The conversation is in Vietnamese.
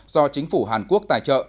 do chính phủ hàn quốc tài trợ